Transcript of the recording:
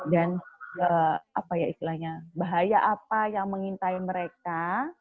dan bahaya apa yang mengintai mereka